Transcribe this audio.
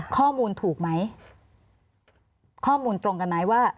ข้อมูลถูกไหมข้อมูลตรงกันไหมว่า